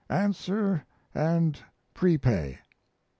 Answer and prepay.